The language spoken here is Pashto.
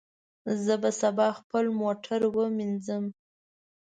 زه به سبا خپل موټر ومینځم.